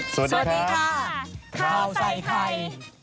สวัสดีค่ะข้าวใส่ไข่